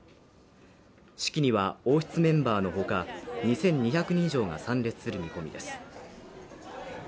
式には、王室メンバーの他２２００人以上が参列する見込みです。